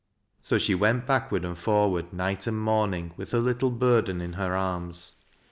So she went backward and forward night and morning with her little burden in her arms.